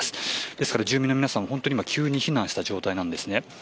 ですから、住民の皆さん急に避難した状態なんですね。